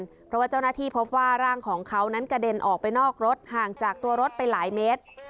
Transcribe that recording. เพราะว่าเจ้าหน้าที่พบว่าร่างของเขานั้นกระเด็นออกไปนอกรถห่างจากตัวรถไปหลายเมตร